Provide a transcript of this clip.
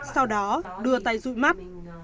sau đó đưa tay rụi mắt